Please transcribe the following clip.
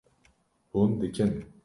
Hûn dikin